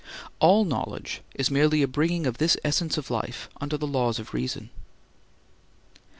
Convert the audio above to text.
All knowledge is merely a bringing of this essence of life under the laws of reason.